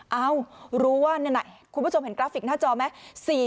เอ้ารู้ว่านั่นน่ะคุณผู้ชมเห็นกราฟิกหน้าจอไหม